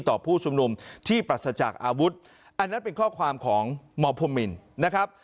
ผู้ชุมนุมที่ปรัสจากอาวุธอันนั้นเป็นข้อความของมพมินนะครับ